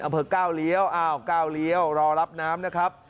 อำเภอก้าวเลี้ยวอ้าวก้าวเลี้ยวรอรับน้ำนะครับ